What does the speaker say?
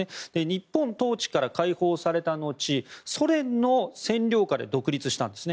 日本統治から解放された後ソ連の占領下で独立したんです。